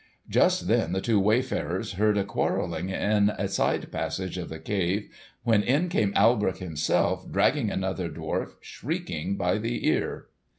Just then the two wayfarers heard a quarrelling in a side passage of the cave, when in came Alberich himself dragging another dwarf shrieking by the ear.